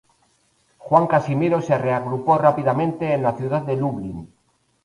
Juan Casimiro se reagrupó rápidamente en la ciudad de Lublin.